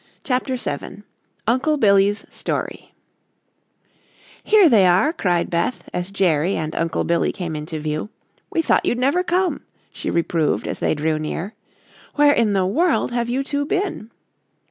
CHAPTER VII UNCLE BILLY'S STORY "Here they are," cried Beth as Jerry and Uncle Billy came into view. "We thought you'd never come," she reproved as they drew near. "Where in the world have you two been?"